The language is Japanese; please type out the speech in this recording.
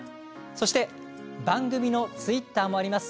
そして番組のツイッターもあります。